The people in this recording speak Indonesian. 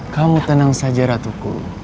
kamu tenang saja ratuku